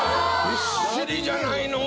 ぎっしりじゃないの！